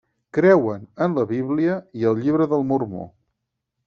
Creuen en la Bíblia i el Llibre del Mormó.